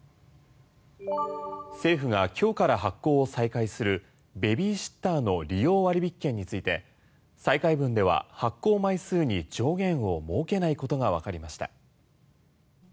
政府が今日から発行を再開するベビーシッターの利用割引券について再開分では発行枚数に上限を設けないことがわかりました。